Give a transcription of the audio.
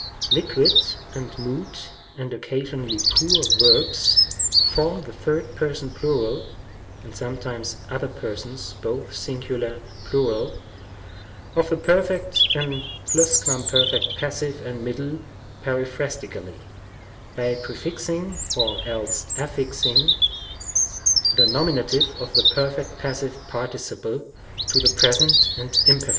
Liquid and mute (and occasionally pure) verbs form the third person plural (and sometimes other persons both singular and plural) of the perf. and plup. pass. and mid. periphrastically, by prefixing, or else affixing, the N. of the perf. pass. part. to the pres. and imperf.